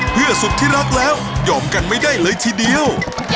เพื่อสุดที่รักแล้วยอมกันไม่ได้เลยทีเดียว